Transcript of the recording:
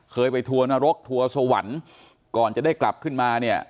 เคยไปทัวร์นรกทัวร์สวรรค์ก่อนจะได้กลับขึ้นมาเนี่ย